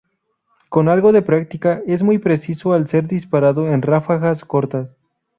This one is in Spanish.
Con algo de práctica, es muy preciso al ser disparado en ráfagas cortas.